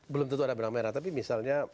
belum tentu ada benang merah tapi misalnya